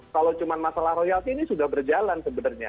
kalau cuma masalah royalti ini sudah berjalan sebenarnya